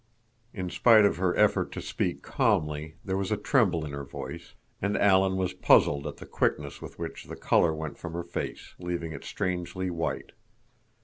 In spite of her effort to speak calmly, there was a tremble in her voice, and Alan was puzzled at the quickness with which the color went from her face, leaving it strangely white.